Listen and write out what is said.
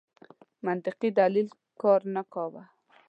منطقي دلایل کار نه کاوه.